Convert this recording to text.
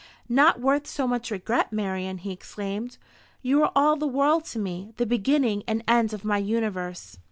"Not worth so much regret, Marian!" he exclaimed. "You are all the world to me; the beginning and end of my universe."